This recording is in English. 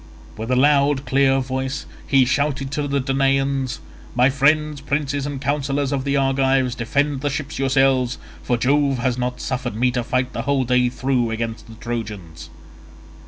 With a loud clear voice he shouted to the Danaans, "My friends, princes and counsellors of the Argives, defend the ships yourselves, for Jove has not suffered me to fight the whole day through against the Trojans."